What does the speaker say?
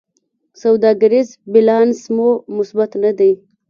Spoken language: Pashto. سوداګریز بیلانس مو مثبت نه دی.